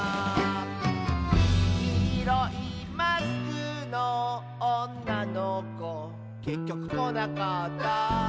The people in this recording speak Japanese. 「きいろいマスクのおんなのこ」「けっきょくこなかった」